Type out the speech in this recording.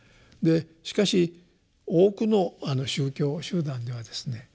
しかし多くの宗教集団ではですね